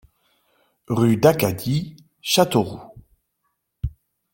Rue d'Acadie, Châteauroux